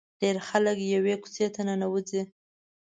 ډېر خلک یوې کوڅې ته ننوځي.